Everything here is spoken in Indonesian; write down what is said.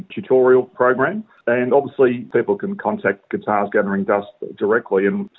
gitar yang berpengaruh bagi pemula